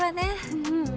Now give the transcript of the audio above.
うんうん。